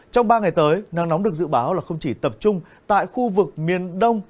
trong ba ngày tới nắng nóng được dự báo là không chỉ tập trung tại khu vực miền đông